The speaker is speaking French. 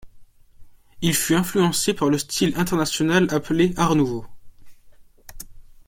Il fut influencé par le style international appelé Art nouveau.